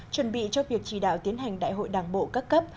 chuẩn bị cho việc chỉ đạo tiến hành đại hội đảng bộ các cấp